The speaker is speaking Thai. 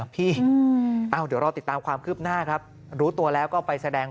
พี่เดี๋ยวรอติดตามความคืบหน้าครับรู้ตัวแล้วก็ไปแสดง